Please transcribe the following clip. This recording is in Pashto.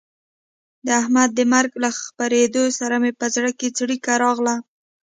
د احمد د مرګ له خبرېدو سره مې په زړه کې څړیکه راغله.